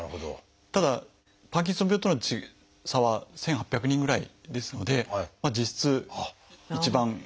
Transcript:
ただパーキンソン病との差は１，８００人ぐらいですので実質一番。